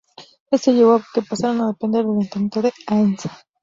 Esto llevó a que pasaran a depender del ayuntamiento de Aínsa.